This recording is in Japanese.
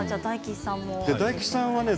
大吉さんは？